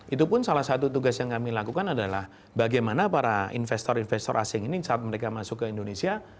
itu pun salah satu tugas yang kami lakukan adalah bagaimana para investor investor asing ini saat mereka masuk ke indonesia